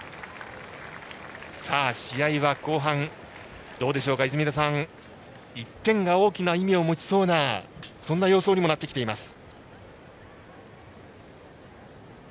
試合は後半、どうでしょうか泉田さん、１点が大きな意味を持ちそうな様相にもなってきています。